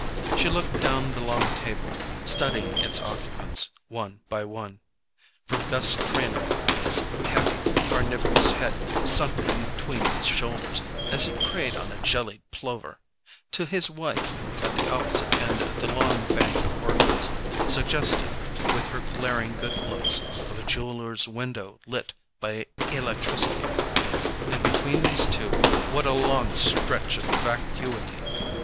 She looked down the long table, studying its occupants one by one, from Gus Trenor, with his heavy carnivorous head sunk between his shoulders, as he preyed on a jellied plover, to his wife, at the opposite end of the long bank of orchids, suggestive, with her glaring good looks, of a jeweller's window lit by electricity. And between the two, what a long stretch of vacuity!